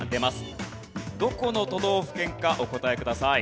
どこの都道府県かお答えください。